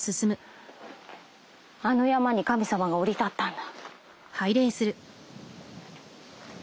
あの山に神様が降り立ったんだ。